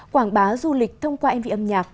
quảng bá du lịch thông qua mv âm nhạc